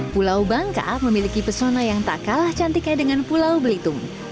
pulau bangka memiliki persona yang tak kalah cantik kayak dengan pulau belitung